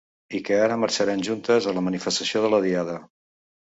I que ara marxaran juntes en la manifestació de la Diada.